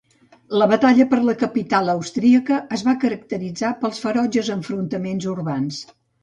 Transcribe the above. La batalla per la capital austríaca es va caracteritzar pels ferotges enfrontaments urbans.